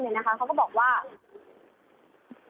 ค่ะทีนี้ฝนตกอย่างไรบ้างคะวันนี้